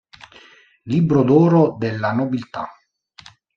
Libro d'oro della nobiltà".